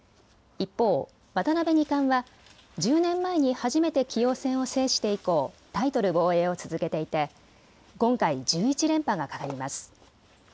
一方、渡辺二冠は１０年前に初めて棋王戦を制して以降、タイトル防衛を続けていて今回１１連覇がかかります。